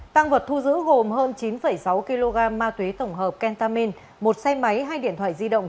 tăng vật thu giữ gồm hơn chín sáu kg ma túy tổng hợp kentamin một xe máy hai điện thoại di động